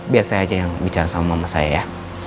biar saya aja yang bicara sama mama saya ya